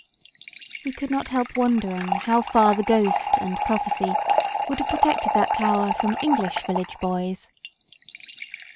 We could not help wondering how far the ghost and prophecy would have protected that tower from English village boys.